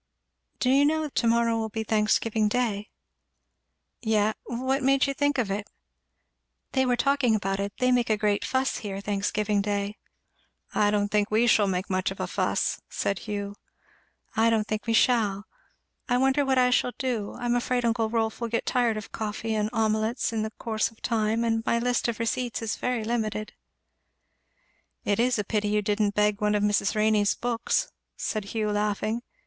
"Do you know to morrow will be Thanksgiving day?" "Ye what made you think of it?" "They were talking about it they make a great fuss here Thanksgiving day." "I don't think we shall make much of a fuss," said Hugh. "I don't think we shall. I wonder what I shall do I am afraid uncle Rolf will get tired of coffee and omelettes in the course of time; and my list of receipts is very limited." "It is a pity you didn't beg one of Mrs. Renney's books," said Hugh laughing.